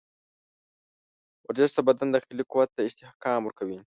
ورزش د بدن داخلي قوت ته استحکام ورکوي.